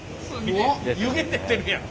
湯気出てるやん！